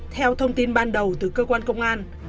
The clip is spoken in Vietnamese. theo thông tin ban đầu từ cơ quan công an